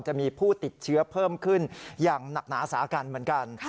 จะมีผู้ติดเชื้อเพิ่มขึ้นอย่างหนักหนาสากันเหมือนกัน